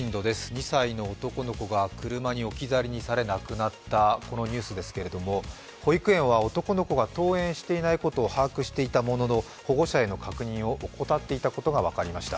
２歳の男の子が車に置き去りにされ亡くなったこのニュースですけれども、保育園は男の子が登園していないことを把握していたものの保護者への確認を怠っていたことが分かりました。